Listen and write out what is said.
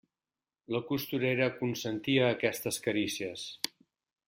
La costurera consentia aquestes carícies.